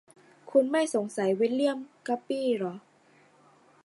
คุณไม่สงสัยวิลเลี่ยม กัปปี้หรอ ?